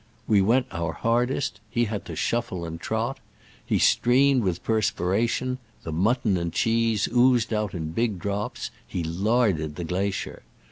We went our hardest — he had to shuffle and trot. He streamed with perspiration ; the mutton and cheese oozed out in big drops ; he larded the glacier.